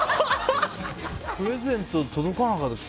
プレゼント、届かなかった。